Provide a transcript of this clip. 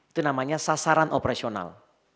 itu namanya sasaran operasional